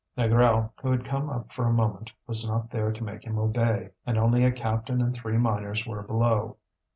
Négrel, who had come up for a moment, was not there to make him obey, and only a captain and three miners were below.